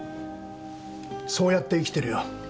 そうやって生きてるよ